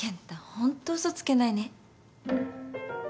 ホント嘘つけないね。